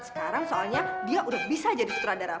sekarang soalnya dia udah bisa jadi sutradara